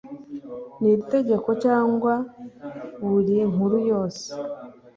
n iri Tegeko cyangwa buri nkuru yose